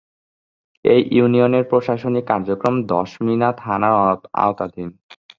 এ ইউনিয়নের প্রশাসনিক কার্যক্রম দশমিনা থানার আওতাধীন।